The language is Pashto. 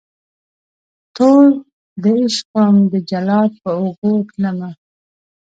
توردعشق وم دجلاد په اوږو تلمه